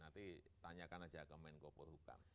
nanti tanyakan saja ke menko purhukam